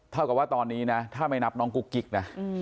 เท่ากับว่าตอนนี้นะถ้าไม่นับน้องกุ๊กกิ๊กนะ